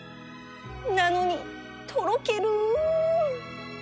なのにとろける